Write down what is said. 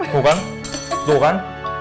tuh kan tuh kan